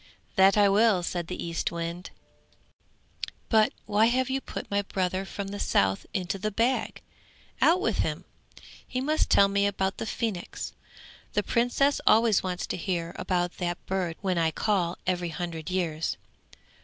'That I will,' said the Eastwind, 'But why have you put my brother from the south into the bag? Out with him. He must tell me about the phoenix; the Princess always wants to hear about that bird when I call every hundred years.